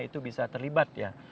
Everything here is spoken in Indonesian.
itu bisa terlibat ya